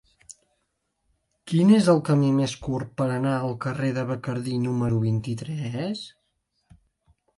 Quin és el camí més curt per anar al carrer de Bacardí número vint-i-tres?